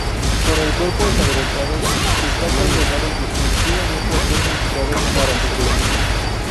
Con el cuerpo ensangrentado, está condenado definitivamente a ser mutilado para sobrevivir.